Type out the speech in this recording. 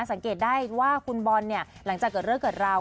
สังเกตได้ว่าคุณบอลเนี่ยหลังจากเกิดเรื่องเกิดราว